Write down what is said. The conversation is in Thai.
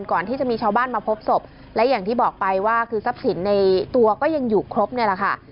ก่อนที่จะมีชาวบ้านมาพบศพและอย่างที่บอกไปว่าคือทรัพย์สินในตัวก็ยังอยู่ครบเนี่ยแหละค่ะ